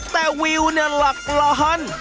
แต่วิวเนี่ยหลักล้าน